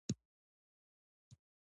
د سر درد لپاره د کوکنارو تېل په تندي ووهئ